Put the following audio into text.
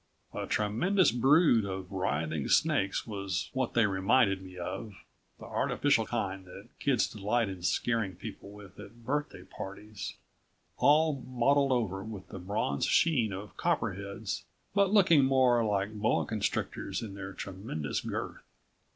A tremendous brood of writhing snakes was what they reminded me of the artificial kind that kids delight in scaring people with at birthday parties, all mottled over with the bronze sheen of copperheads, but looking more like boa constrictors in their tremendous girth.